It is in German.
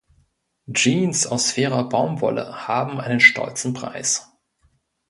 Jeans aus fairer Baumwolle haben einen stolzen Preis.